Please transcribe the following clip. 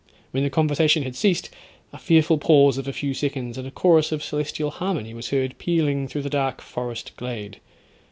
When the conversation had ceased, a fearful pause of a few seconds and a chorus of celestial harmony was heard pealing through the dark forest glade.